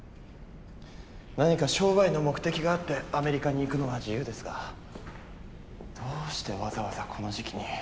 何か商売の目的があってアメリカに行くのは自由ですがどうしてわざわざこの時期に。